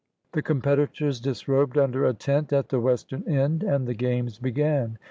The competitors disrobed under a tent at the western end, and the games began.